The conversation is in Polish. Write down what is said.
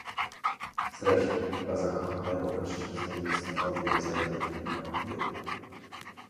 "Zresztą dla zakochanego mężczyzny, nie stanowi rezerwy inna kobieta."